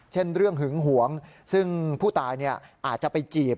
เช่นเรื่องหึงหวงซึ่งผู้ตายอาจจะไปจีบ